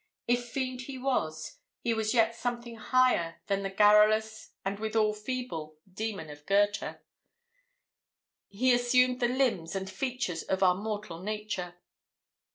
If fiend he was, he was yet something higher than the garrulous, and withal feeble, demon of Goethe. He assumed the limbs and features of our mortal nature.